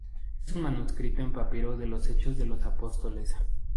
Es un manuscrito en papiro de los Hechos de los Apóstoles.